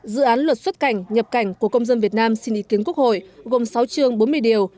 dự án luật xuất cảnh nhập cảnh của công dân việt nam xin ý kiến quốc hội gồm sáu chương bốn mươi điều